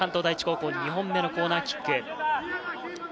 関東第一高校、２本目のコーナーキック。